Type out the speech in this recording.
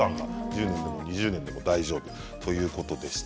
１０年でも２０年でも大丈夫ということです。